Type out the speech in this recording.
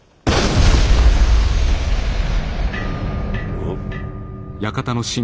おっ。